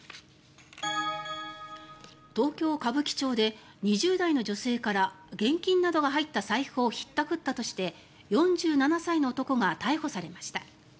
東京・歌舞伎町で２０代の女性から現金などが入った財布をひったくったとして４７歳の男が逮捕されました。